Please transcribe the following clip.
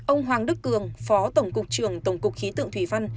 ông hoàng đức cường phó tổng cục trưởng tổng cục khí tượng thủy văn